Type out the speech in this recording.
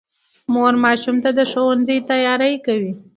مور ماشوم ته د ښوونځي تیاری کوي